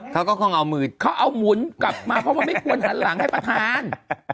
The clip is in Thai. เขาก็คงเอามือเขาเอาหมุนกลับมาเพราะมันไม่ควรหันหลังให้ประธาน